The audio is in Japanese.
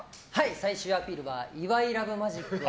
最終アピールは岩井ラブマジックを